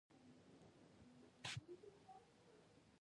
د وردګو ګوربت، ګوډه، خوات